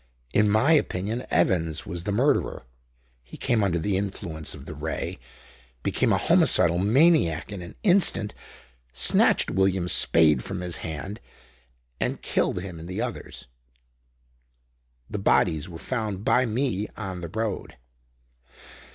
In my opinion Evans was the murderer. He came under the influence of the Ray, became a homicidal maniac in an instant, snatched Williams's spade from his hand and killed him and the others." "The bodies were found by me on the road."